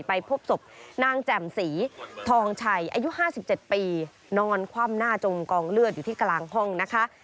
ไปพบศพนางแจ่มสีทองชัยอายุ๕๗ปีนอนคว่ำหน้าจมกองเลือดอยู่ที่กลางห้องนะคะ